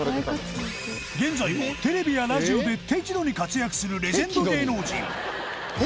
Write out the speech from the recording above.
現在もテレビやラジオで適度に活躍するレジェンド芸能人